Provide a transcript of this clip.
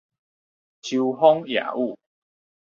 秋風夜雨